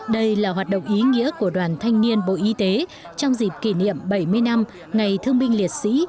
đây là hoạt động ý nghĩa của đoàn thanh niên bộ y tế trong dịp kỷ niệm bảy mươi năm ngày thương binh liệt sĩ